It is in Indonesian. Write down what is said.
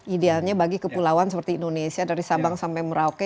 idealnya bagi kepulauan seperti indonesia dari sabang sampai merauke